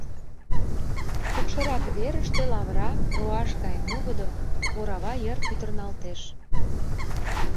Кукшырак верыште лавыра руаш гай нугыдо, орава йыр пӱтырналтеш.